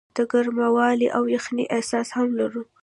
د ګرموالي او یخنۍ احساس هم لرو.